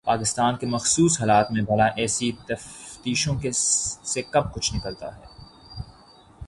پاکستان کے مخصوص حالات میں بھلا ایسی تفتیشوں سے کب کچھ نکلتا ہے؟